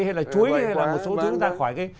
hay là chuối hay là một số thứ